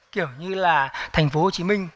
kiểu như là thành phố hồ chí minh